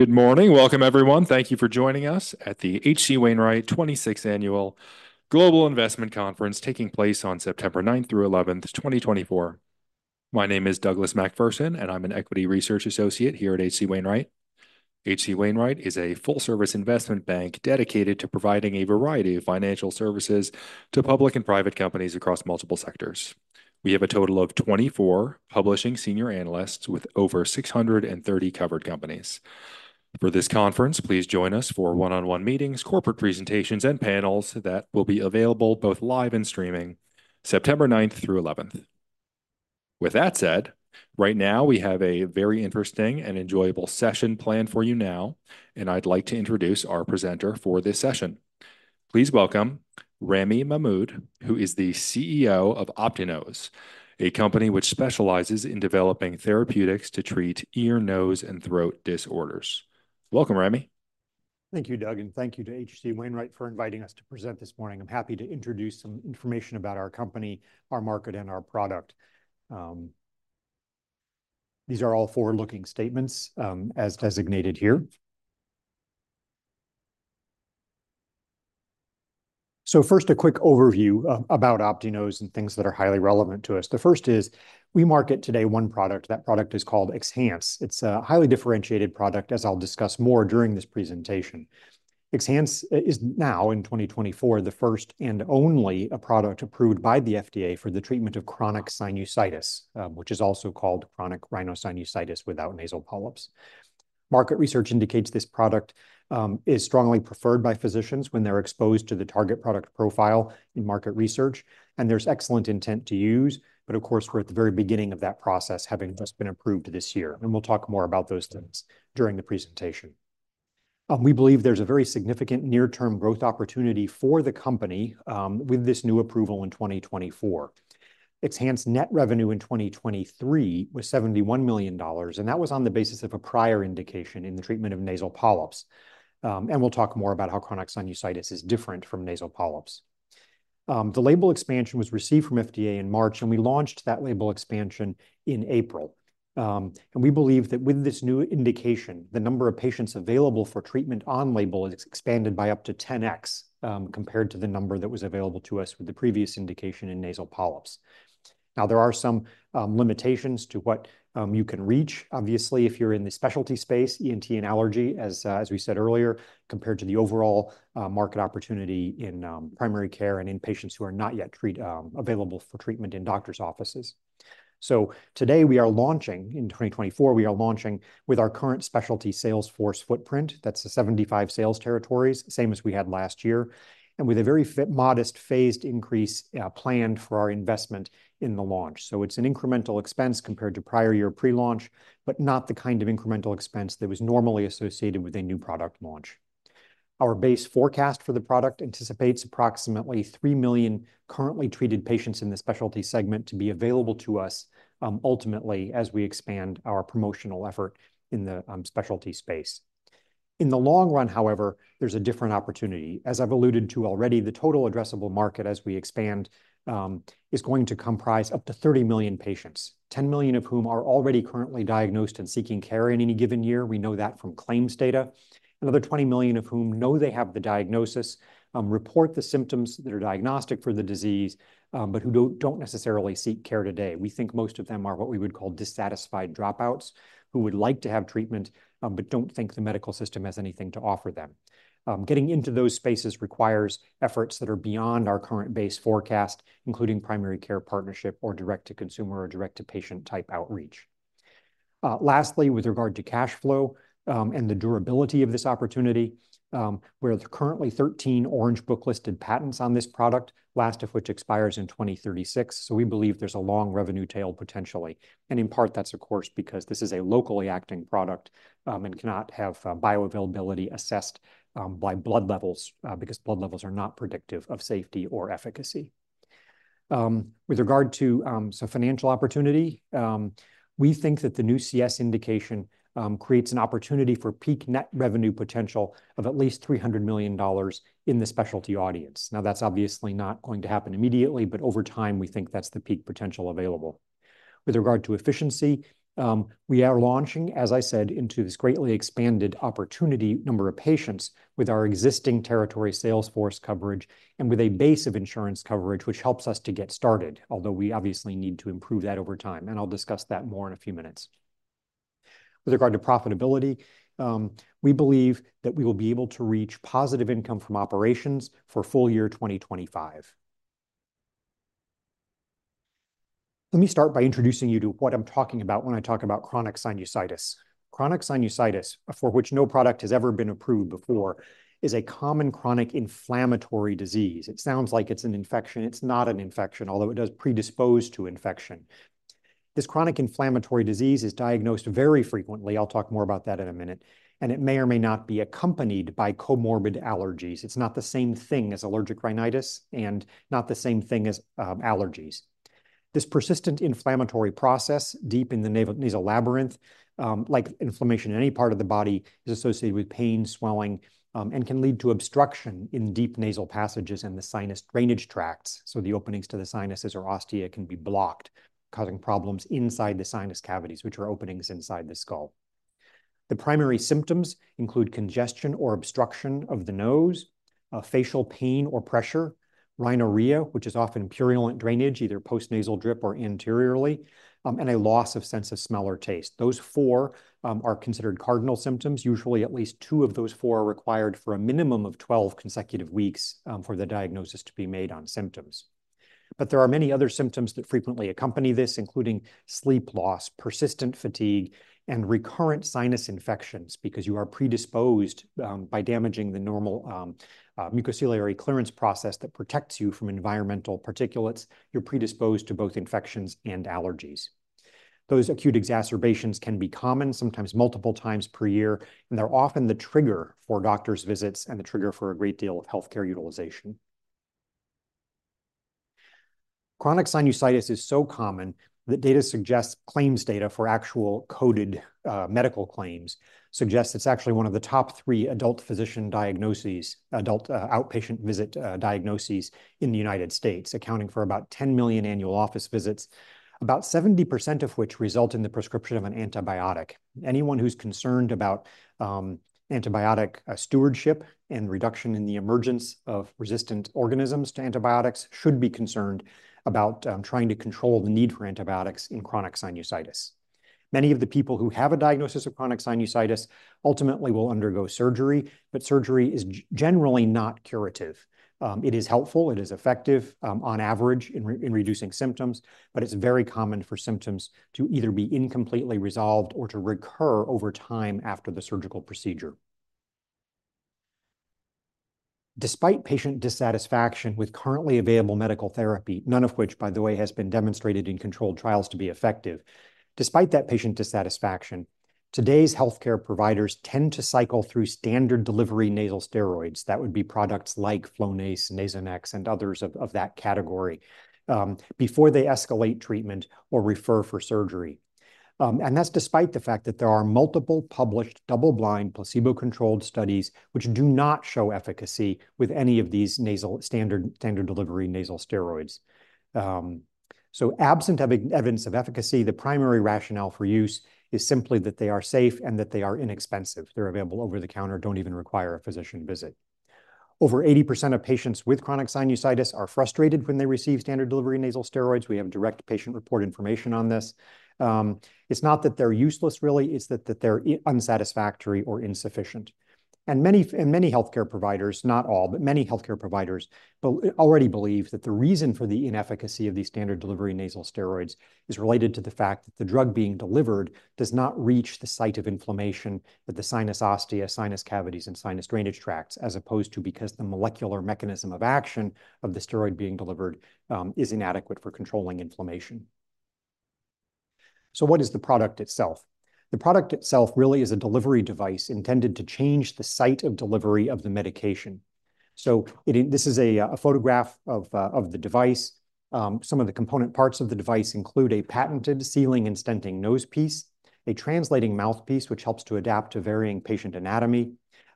Good morning. Welcome, everyone. Thank you for joining us at the H.C. Wainwright 26th Annual Global Investment Conference, taking place on September 9th-11th, 2024. My name is Douglas MacPherson, and I'm an Equity Research Associate here at H.C. Wainwright. H.C. Wainwright is a full-service investment bank dedicated to providing a variety of financial services to public and private companies across multiple sectors. We have a total of 24 publishing senior analysts with over 630 covered companies. For this conference, please join us for one-on-one meetings, corporate presentations, and panels that will be available both live and streaming, September 9th-11th. With that said, right now we have a very interesting and enjoyable session planned for you now, and I'd like to introduce our presenter for this session. Please welcome Ramy Mahmoud, who is the CEO of Optinose, a company which specializes in developing therapeutics to treat ear, nose, and throat disorders. Welcome, Ramy. Thank you, Doug, and thank you to H.C. Wainwright for inviting us to present this morning. I'm happy to introduce some information about our company, our market, and our product. These are all forward-looking statements, as designated here. First, a quick overview about Optinose and things that are highly relevant to us. The first is we market today one product. That product is called XHANCE. It's a highly differentiated product, as I'll discuss more during this presentation. XHANCE is now, in 2024, the first and only product approved by the FDA for the treatment of chronic sinusitis, which is also called chronic rhinosinusitis without nasal polyps. Market research indicates this product is strongly preferred by physicians when they're exposed to the target product profile in market research, and there's excellent intent to use. But of course, we're at the very beginning of that process, having just been approved this year, and we'll talk more about those things during the presentation. We believe there's a very significant near-term growth opportunity for the company, with this new approval in 2024. XHANCE net revenue in 2023 was $71 million, and that was on the basis of a prior indication in the treatment of nasal polyps. And we'll talk more about how chronic sinusitis is different from nasal polyps. The label expansion was received from FDA in March, and we launched that label expansion in April. And we believe that with this new indication, the number of patients available for treatment on label is expanded by up to 10x, compared to the number that was available to us with the previous indication in nasal polyps. Now, there are some limitations to what you can reach. Obviously, if you're in the specialty space, ENT and allergy, as we said earlier, compared to the overall market opportunity in primary care and in patients who are not yet available for treatment in doctor's offices. So today, we are launching. In 2024, we are launching with our current specialty sales force footprint. That's the 75 sales territories, same as we had last year, and with a very modest phased increase planned for our investment in the launch. So it's an incremental expense compared to prior year pre-launch, but not the kind of incremental expense that was normally associated with a new product launch. Our base forecast for the product anticipates approximately 3 million currently treated patients in the specialty segment to be available to us, ultimately, as we expand our promotional effort in the specialty space. In the long run, however, there's a different opportunity. As I've alluded to already, the total addressable market as we expand, is going to comprise up to 30 million patients, 10 million of whom are already currently diagnosed and seeking care in any given year. We know that from claims data. Another 20 million of whom know they have the diagnosis, report the symptoms that are diagnostic for the disease, but who don't necessarily seek care today. We think most of them are what we would call dissatisfied dropouts, who would like to have treatment, but don't think the medical system has anything to offer them. Getting into those spaces requires efforts that are beyond our current base forecast, including primary care partnership or direct-to-consumer or direct-to-patient type outreach. Lastly, with regard to cash flow, and the durability of this opportunity, we're currently 13 Orange Book-listed patents on this product, last of which expires in 2036. So, we believe there's a long revenue tail potentially, and in part, that's of course, because this is a locally acting product, and cannot have, bioavailability assessed, by blood levels, because blood levels are not predictive of safety or efficacy. With regard to, so financial opportunity, we think that the new CS indication, creates an opportunity for peak net revenue potential of at least $300 million in the specialty audience. Now, that's obviously not going to happen immediately, but over time, we think that's the peak potential available. With regard to efficiency, we are launching, as I said, into this greatly expanded opportunity number of patients with our existing territory sales force coverage and with a base of insurance coverage, which helps us to get started, although we obviously need to improve that over time, and I'll discuss that more in a few minutes. With regard to profitability, we believe that we will be able to reach positive income from operations for full year 2025. Let me start by introducing you to what I'm talking about when I talk about chronic sinusitis. Chronic sinusitis, for which no product has ever been approved before, is a common chronic inflammatory disease. It sounds like it's an infection. It's not an infection, although it does predispose to infection. This chronic inflammatory disease is diagnosed very frequently. I'll talk more about that in a minute, and it may or may not be accompanied by comorbid allergies. It's not the same thing as allergic rhinitis and not the same thing as, allergies. This persistent inflammatory process, deep in the nasal labyrinth, like inflammation in any part of the body, is associated with pain, swelling, and can lead to obstruction in deep nasal passages and the sinus drainage tracts, so the openings to the sinuses or ostia can be blocked, causing problems inside the sinus cavities, which are openings inside the skull. The primary symptoms include congestion or obstruction of the nose, facial pain or pressure, rhinorrhea, which is often purulent drainage, either postnasal drip or anteriorly, and a loss of sense of smell or taste. Those four are considered cardinal symptoms. Usually, at least two of those four are required for a minimum of 12 consecutive weeks, for the diagnosis to be made on symptoms. But there are many other symptoms that frequently accompany this, including sleep loss, persistent fatigue, and recurrent sinus infections, because you are predisposed, by damaging the normal, mucociliary clearance process that protects you from environmental particulates. You're predisposed to both infections and allergies. Those acute exacerbations can be common, sometimes multiple times per year, and they're often the trigger for doctor's visits and the trigger for a great deal of healthcare utilization. Chronic sinusitis is so common that data suggests, claims data for actual coded medical claims, suggests it's actually one of the top three adult physician diagnoses, adult outpatient visit diagnoses in the United States, accounting for about 10 million annual office visits, about 70% of which result in the prescription of an antibiotic. Anyone who's concerned about antibiotic stewardship and reduction in the emergence of resistant organisms to antibiotics should be concerned about trying to control the need for antibiotics in chronic sinusitis. Many of the people who have a diagnosis of chronic sinusitis ultimately will undergo surgery, but surgery is generally not curative. It is helpful, it is effective, on average in reducing symptoms, but it's very common for symptoms to either be incompletely resolved or to recur over time after the surgical procedure. Despite patient dissatisfaction with currently available medical therapy, none of which, by the way, has been demonstrated in controlled trials to be effective. Despite that patient dissatisfaction, today's healthcare providers tend to cycle through standard delivery nasal steroids. That would be products like Flonase, Nasonex, and others of that category, before they escalate treatment or refer for surgery, and that's despite the fact that there are multiple published double-blind, placebo-controlled studies which do not show efficacy with any of these nasal standard delivery nasal steroids, so absent evidence of efficacy, the primary rationale for use is simply that they are safe and that they are inexpensive. They're available over the counter, don't even require a physician visit. Over 80% of patients with chronic sinusitis are frustrated when they receive standard delivery nasal steroids. We have direct patient report information on this. It's not that they're useless, really, it's that they're unsatisfactory or insufficient. And many healthcare providers, not all, but many healthcare providers already believe that the reason for the inefficacy of these standard delivery nasal steroids is related to the fact that the drug being delivered does not reach the site of inflammation, that the sinus ostia, sinus cavities, and sinus drainage tracts, as opposed to because the molecular mechanism of action of the steroid being delivered is inadequate for controlling inflammation. So what is the product itself? The product itself really is a delivery device intended to change the site of delivery of the medication. So this is a photograph of the device. Some of the component parts of the device include a patented sealing and stenting nose piece, a translating mouthpiece, which helps to adapt to varying patient anatomy,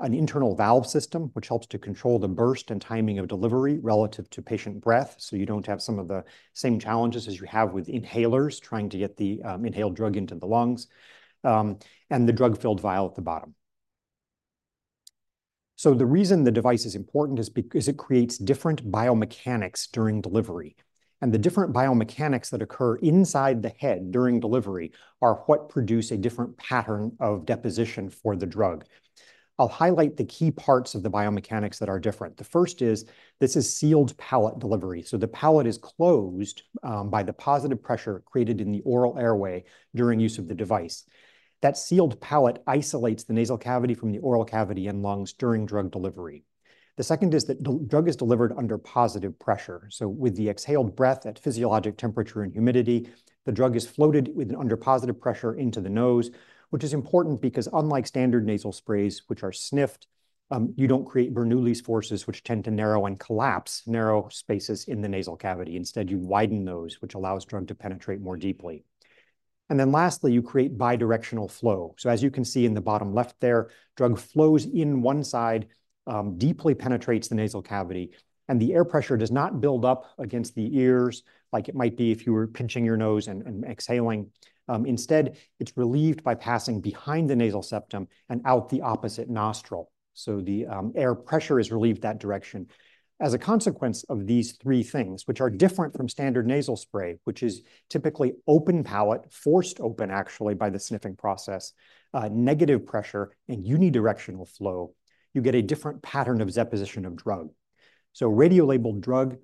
an internal valve system, which helps to control the burst and timing of delivery relative to patient breath, so you don't have some of the same challenges as you have with inhalers trying to get the inhaled drug into the lungs, and the drug-filled vial at the bottom. So the reason the device is important is it creates different biomechanics during delivery, and the different biomechanics that occur inside the head during delivery are what produce a different pattern of deposition for the drug. I'll highlight the key parts of the biomechanics that are different. The first is, this is sealed palate delivery. So the palate is closed by the positive pressure created in the oral airway during use of the device. That sealed palate isolates the nasal cavity from the oral cavity and lungs during drug delivery. The second is that the drug is delivered under positive pressure. So with the exhaled breath at physiologic temperature and humidity, the drug is floated with under positive pressure into the nose, which is important because unlike standard nasal sprays, which are sniffed, you don't create Bernoulli's forces, which tend to narrow and collapse narrow spaces in the nasal cavity. Instead, you widen those, which allows drug to penetrate more deeply. And then lastly, you create bidirectional flow. So as you can see in the bottom left there, drug flows in one side, deeply penetrates the nasal cavity, and the air pressure does not build up against the ears like it might be if you were pinching your nose and exhaling. Instead, it's relieved by passing behind the nasal septum and out the opposite nostril. So the air pressure is relieved that direction. As a consequence of these three things, which are different from standard nasal spray, which is typically open palate, forced open, actually, by the sniffing process, negative pressure and unidirectional flow, you get a different pattern of deposition of drug. So radiolabeled drug,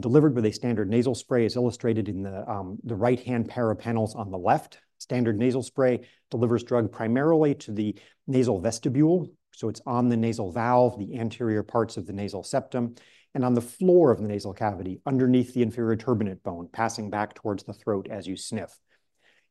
delivered with a standard nasal spray is illustrated in the right-hand pair of panels on the left. Standard nasal spray delivers drug primarily to the nasal vestibule, so it's on the nasal valve, the anterior parts of the nasal septum, and on the floor of the nasal cavity, underneath the inferior turbinate bone, passing back towards the throat as you sniff.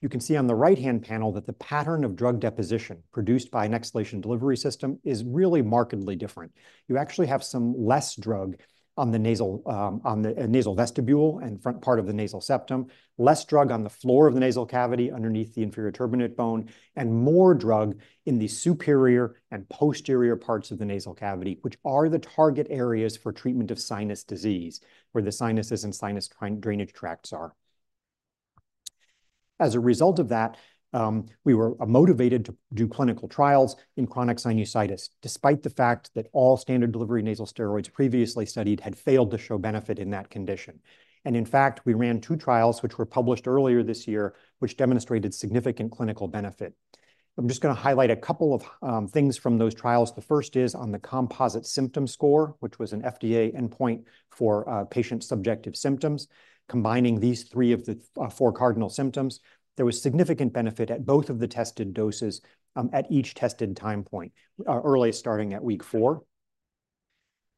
You can see on the right-hand panel that the pattern of drug deposition produced by an exhalation delivery system is really markedly different. You actually have some less drug on the nasal vestibule and front part of the nasal septum, less drug on the floor of the nasal cavity, underneath the inferior turbinate bone, and more drug in the superior and posterior parts of the nasal cavity, which are the target areas for treatment of sinus disease, where the sinuses and sinus drainage tracts are. As a result of that, we were motivated to do clinical trials in chronic sinusitis, despite the fact that all standard delivery nasal steroids previously studied had failed to show benefit in that condition, and in fact, we ran two trials, which were published earlier this year, which demonstrated significant clinical benefit. I'm just gonna highlight a couple of things from those trials. The first is on the composite symptom score, which was an FDA endpoint for patient subjective symptoms. Combining these three of the four cardinal symptoms, there was significant benefit at both of the tested doses at each tested time point early starting at week four,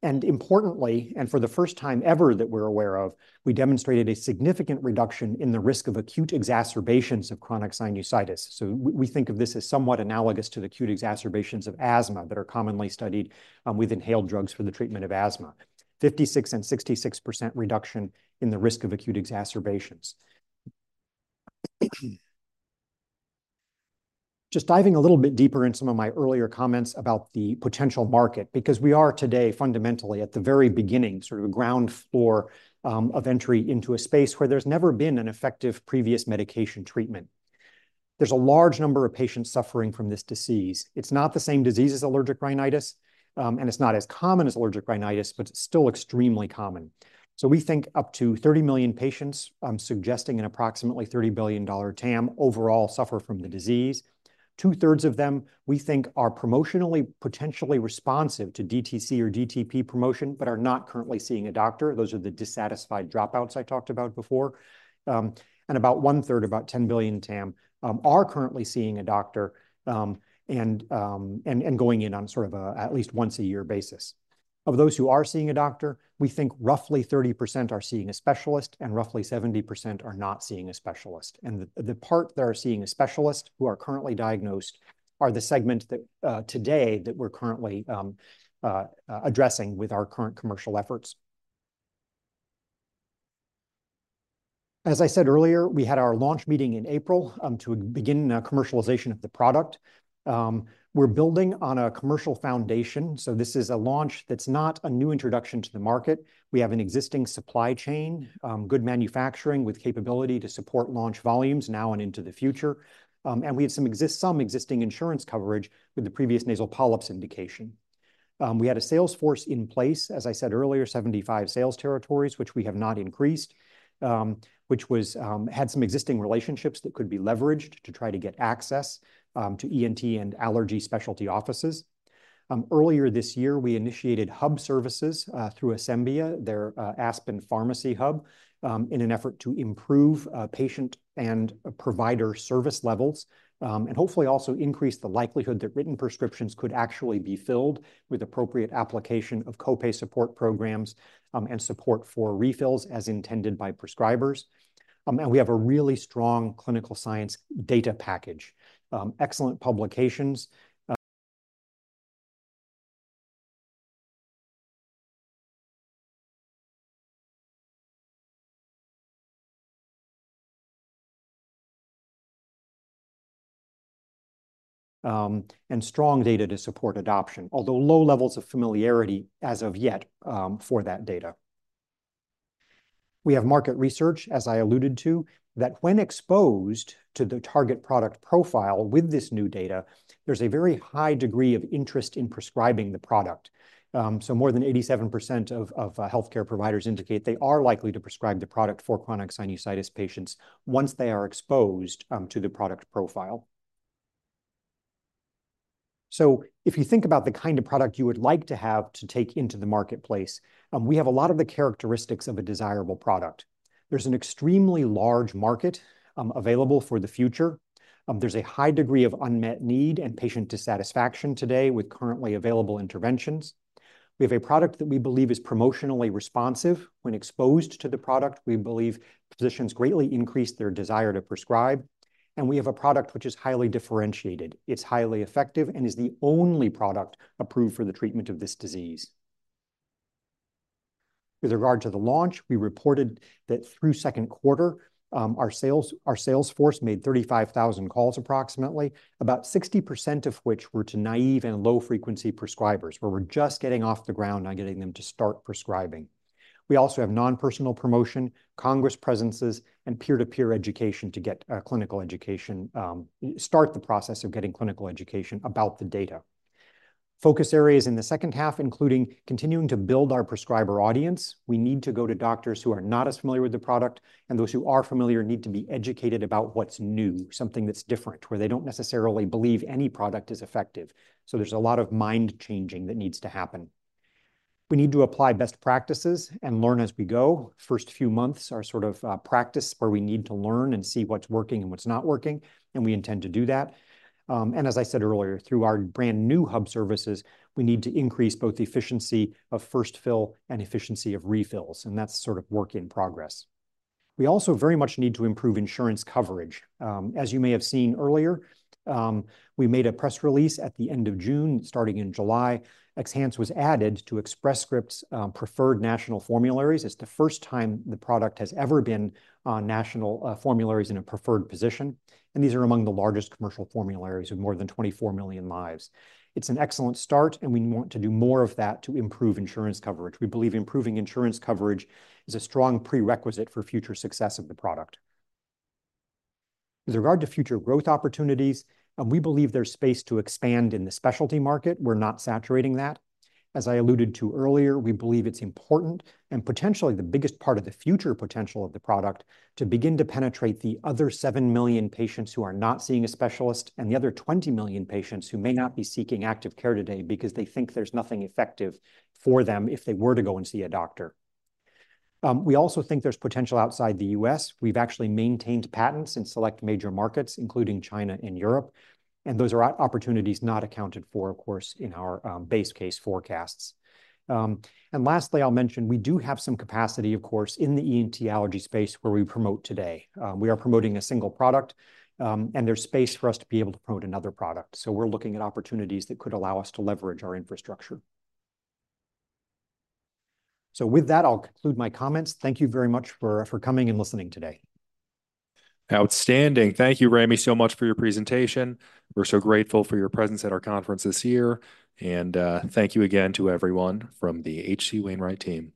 and importantly, and for the first time ever that we're aware of, we demonstrated a significant reduction in the risk of acute exacerbations of chronic sinusitis. So we think of this as somewhat analogous to the acute exacerbations of asthma that are commonly studied with inhaled drugs for the treatment of asthma. 56% and 66% reduction in the risk of acute exacerbations. Just diving a little bit deeper in some of my earlier comments about the potential market, because we are today fundamentally at the very beginning, sort of a ground floor, of entry into a space where there's never been an effective previous medication treatment. There's a large number of patients suffering from this disease. It's not the same disease as allergic rhinitis, and it's not as common as allergic rhinitis, but it's still extremely common. So we think up to 30 million patients, I'm suggesting an approximately $30 billion TAM overall, suffer from the disease. Two-thirds of them, we think, are promotionally, potentially responsive to DTC or DTP promotion, but are not currently seeing a doctor. Those are the dissatisfied dropouts I talked about before, and about 1/3, about $10 billion TAM, are currently seeing a doctor, and going in on sort of at least once-a-year basis. Of those who are seeing a doctor, we think roughly 30% are seeing a specialist and roughly 70% are not seeing a specialist, and the part that are seeing a specialist who are currently diagnosed are the segment that today that we're currently addressing with our current commercial efforts. As I said earlier, we had our launch meeting in April to begin commercialization of the product. We're building on a commercial foundation, so this is a launch that's not a new introduction to the market. We have an existing supply chain, good manufacturing with capability to support launch volumes now and into the future, and we have some existing insurance coverage with the previous nasal polyp's indication. We had a sales force in place, as I said earlier, 75 sales territories, which we have not increased, which had some existing relationships that could be leveraged to try to get access to ENT and allergy specialty offices. Earlier this year, we initiated hub services through Asembia, their Aspen Pharmacy hub, in an effort to improve patient and provider service levels, and hopefully also increase the likelihood that written prescriptions could actually be filled with appropriate application of co-pay support programs, and support for refills as intended by prescribers. And we have a really strong clinical science data package, excellent publications, and strong data to support adoption, although low levels of familiarity as of yet, for that data. We have market research, as I alluded to, that when exposed to the target product profile with this new data, there's a very high degree of interest in prescribing the product. So more than 87% of healthcare providers indicate they are likely to prescribe the product for chronic sinusitis patients once they are exposed to the product profile. So if you think about the kind of product you would like to have to take into the marketplace, we have a lot of the characteristics of a desirable product. There's an extremely large market available for the future. There's a high degree of unmet need and patient dissatisfaction today with currently available interventions. We have a product that we believe is promotionally responsive. When exposed to the product, we believe physicians greatly increase their desire to prescribe, and we have a product which is highly differentiated. It's highly effective and is the only product approved for the treatment of this disease. With regard to the launch, we reported that through second quarter, our sales force made 35,000 calls, approximately, about 60% of which were to naive and low-frequency prescribers, where we're just getting off the ground on getting them to start prescribing. We also have non-personal promotion, congress presences, and peer-to-peer education to start the process of getting clinical education about the data. Focus areas in the second half, including continuing to build our prescriber audience. We need to go to doctors who are not as familiar with the product, and those who are familiar need to be educated about what's new, something that's different, where they don't necessarily believe any product is effective. So there's a lot of mind-changing that needs to happen. We need to apply best practices and learn as we go. First few months are sort of practice, where we need to learn and see what's working and what's not working, and we intend to do that, and as I said earlier, through our brand-new hub services, we need to increase both the efficiency of first fill and efficiency of refills, and that's sort of work in progress. We also very much need to improve insurance coverage. As you may have seen earlier, we made a press release at the end of June. Starting in July, XHANCE was added to Express Scripts preferred national formularies. It's the first time the product has ever been on national formularies in a preferred position, and these are among the largest commercial formularies, with more than 24 million lives. It's an excellent start, and we want to do more of that to improve insurance coverage. We believe improving insurance coverage is a strong prerequisite for future success of the product. With regard to future growth opportunities, we believe there's space to expand in the specialty market. We're not saturating that. As I alluded to earlier, we believe it's important and potentially the biggest part of the future potential of the product to begin to penetrate the other 7 million patients who are not seeing a specialist and the other 20 million patients who may not be seeking active care today because they think there's nothing effective for them if they were to go and see a doctor. We also think there's potential outside the U.S. We've actually maintained patents in select major markets, including China and Europe, and those are opportunities not accounted for, of course, in our base case forecasts. And lastly, I'll mention we do have some capacity, of course, in the ENT allergy space where we promote today. We are promoting a single product, and there's space for us to be able to promote another product. So we're looking at opportunities that could allow us to leverage our infrastructure. So with that, I'll conclude my comments. Thank you very much for coming and listening today. Outstanding. Thank you, Ramy, so much for your presentation. We're so grateful for your presence at our conference this year and thank you again to everyone from the H.C. Wainwright team.